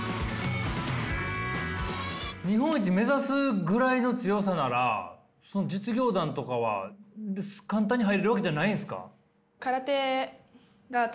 日本一目指すぐらいの強さなら実業団とかは簡単に入れるわけじゃないんすか？